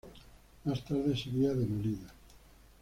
Más tarde sería demolida.